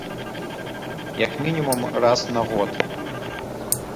Як мінімум раз на год.